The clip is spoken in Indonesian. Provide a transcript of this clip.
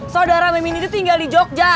saudara mimini itu tinggal di jogja